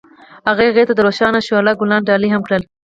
هغه هغې ته د روښانه شعله ګلان ډالۍ هم کړل.